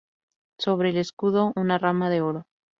Sobre el escudo, una rama de oro.